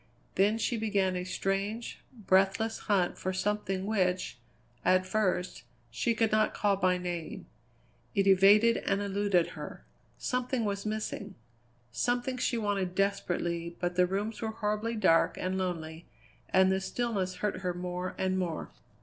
Then she began a strange, breathless hunt for something which, at first, she could not call by name; it evaded and eluded her. Something was missing; something she wanted desperately; but the rooms were horribly dark and lonely, and the stillness hurt her more and more.